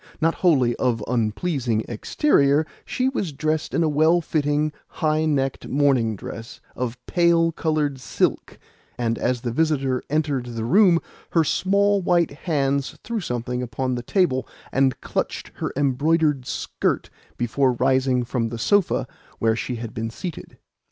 Not wholly of unpleasing exterior, she was dressed in a well fitting, high necked morning dress of pale coloured silk; and as the visitor entered the room her small white hands threw something upon the table and clutched her embroidered skirt before rising from the sofa where she had been seated.